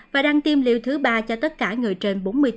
và đang tiêm liều thứ ba cho tất cả người trẻ